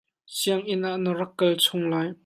Sianginn ah na rak kal chung lai.